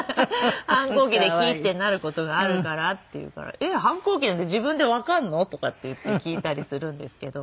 「反抗期でキーッてなる事があるから」って言うから「えっ反抗期なんて自分でわかるの？」とかって言って聞いたりするんですけど。